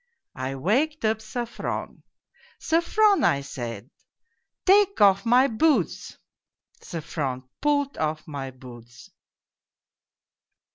" I waked up Sofron. 'Sofron,' I said, ' take off my boots.' " Sofron pulled off my boots.